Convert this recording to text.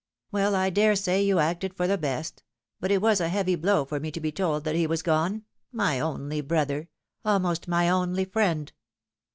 " Well, I daresay you acted for the best ; but it was a heavy blow for me to be told that he was gone my only brother almost my only friend."